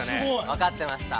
◆分かってました。